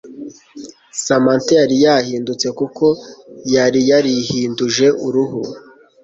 Samantha yari yahindutse kuko yari yarihinduje uruhu